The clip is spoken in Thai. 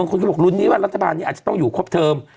รุ่นนี้ลุ่นนี้รัฐฐาบาลเนี่ยต้องอยู่ครอบเทอม